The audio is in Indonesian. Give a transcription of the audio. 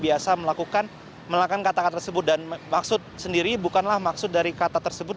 biasa melakukan kata kata tersebut dan maksud sendiri bukanlah maksud dari kata tersebut